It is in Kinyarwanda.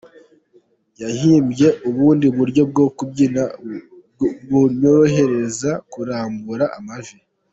Yahimbye ubundi buryo bwo kubyina bunyorohereza kurambura amavi.